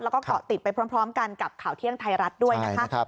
แล้วก็เกาะติดไปพร้อมกันกับข่าวเที่ยงไทยรัฐด้วยนะคะ